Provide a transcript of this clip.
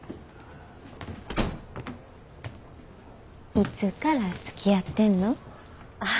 いつからつきあってんの？